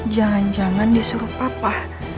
jangan jangan disuruh papa